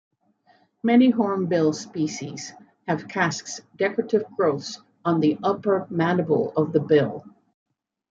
Many hornbill species have "casques", decorative growths on the upper mandible of the bill.